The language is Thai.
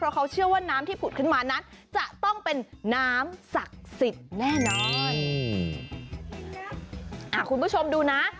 คุณผู้ชมดูว่า